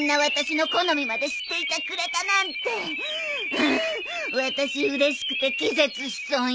うん私うれしくて気絶しそうよ。